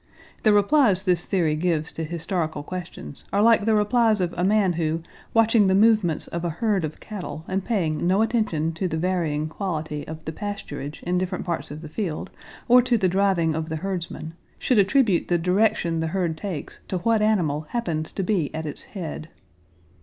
The replies this theory gives to historical questions are like the replies of a man who, watching the movements of a herd of cattle and paying no attention to the varying quality of the pasturage in different parts of the field, or to the driving of the herdsman, should attribute the direction the herd takes to what animal happens to be at its head.